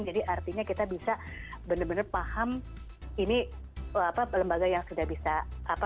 jadi artinya kita bisa benar benar paham ini lembaga yang sudah bisa